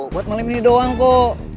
buat malam ini doang kok